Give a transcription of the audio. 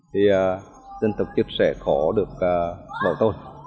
thì dân tộc chức sẽ khó được bảo tội